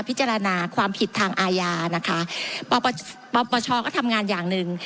พิจารณาความผิดทางอาญานะคะปปชก็ทำงานอย่างหนึ่ง